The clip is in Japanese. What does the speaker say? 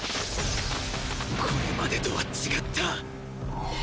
これまでとは違った！